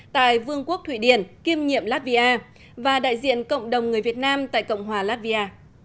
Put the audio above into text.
tại vương quốc thụy điển kiêm nhiệm latvia và đại diện cộng đồng người việt nam tại cộng hòa latvia